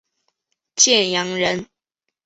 建阳人。